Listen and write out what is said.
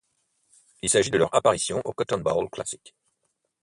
Il s'agit de leur apparition au Cotton Bowl Classic.